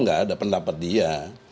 tidak ada pendapat dia